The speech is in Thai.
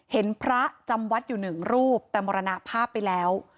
เห็นพระจำวัดอยู่หนึ่งรูปแต่มรณภาพไปแล้ว